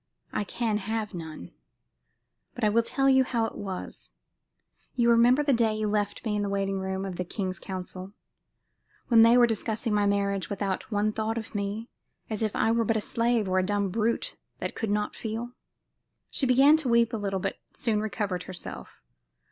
I can have none; but I will tell you how it was. You remember the day you left me in the waiting room of the king's council? when they were discussing my marriage without one thought of me, as if I were but a slave or a dumb brute that could not feel." She began to weep a little, but soon recovered herself.